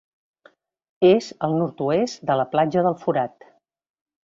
És al nord-oest de la Platja del Forat.